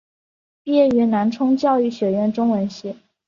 毕业于南充教育学院中文系。